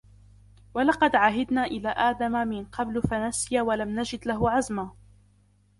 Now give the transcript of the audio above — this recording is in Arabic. ولقد عهدنا إلى آدم من قبل فنسي ولم نجد له عزما